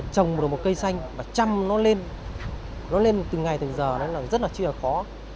trồng được một cây xanh và chăm nó lên nó lên từng ngày từng giờ nó là rất là chưa là khó